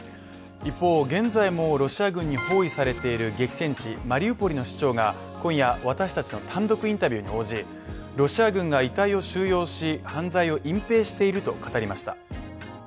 一方現在もロシア軍に包囲されている激戦地マリウポリの市長が今夜私達の単独インタビューに応じ、ロシア軍が遺体を収容し、犯罪を隠蔽していると語りました。